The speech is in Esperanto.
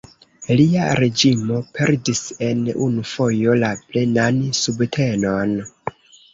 Lia reĝimo perdis en unu fojo la plenan subtenon.